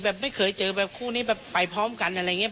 ไม่เคยเจอแบบคู่นี้แบบไปพร้อมกันอะไรอย่างนี้